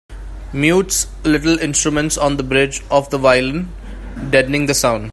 Mutes little instruments on the bridge of the violin, deadening the sound.